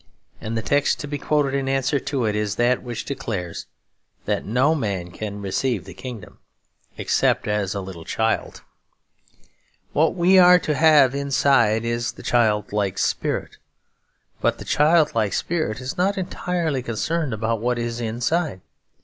And the text to be quoted in answer to it is that which declares that no man can receive the kingdom except as a little child. What we are to have inside is the childlike spirit; but the childlike spirit is not entirely concerned about what is inside.